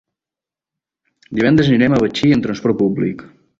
Divendres anirem a Betxí amb transport públic.